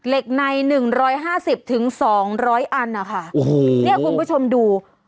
เหล็กในหนึ่งร้อยห้าสิบถึงสองร้อยอันนะคะโอ้โหเนี่ยคุณผู้ชมดู